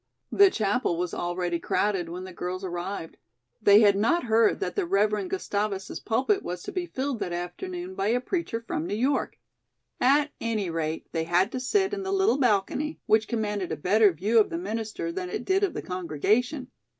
The Chapel was already crowded when the girls arrived. They had not heard that the Rev. Gustavus's pulpit was to be filled that afternoon by a preacher from New York. At any rate, they had to sit in the little balcony, which commanded a better view of the minister than it did of the congregation.